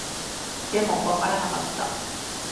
でも、わからなかった